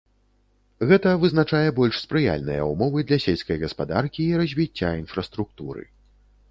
Гэта вызначае больш спрыяльныя ўмовы для сельскай гаспадаркі і развіцця інфраструктуры.